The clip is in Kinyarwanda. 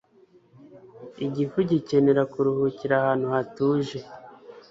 igifu gikenera kuruhukira ahantu hatuje